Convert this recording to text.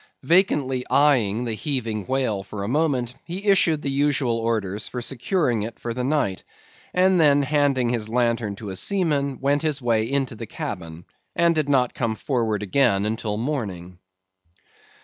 Vacantly eyeing the heaving whale for a moment, he issued the usual orders for securing it for the night, and then handing his lantern to a seaman, went his way into the cabin, and did not come forward again until morning.